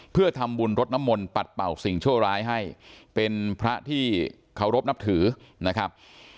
เพื่อทำบุญรดน้ำมนต์ปัดเป่าสิ่งชั่วร้ายให้เป็นพระที่เคารพนับถือนะครับ